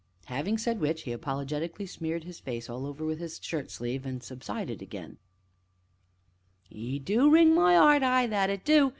Having said which, he apologetically smeared his face all over with his shirt sleeve, and subsided again. "It do wring my 'eart ah, that it do!